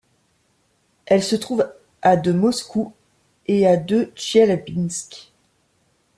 Elle se trouve à de Moscou et à de Tcheliabinsk.